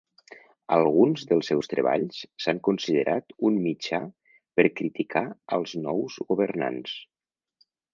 Alguns dels seus treballs s'han considerat un mitjà per criticar als nous governants.